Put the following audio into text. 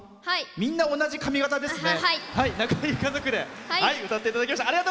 みんな同じ髪形ですね。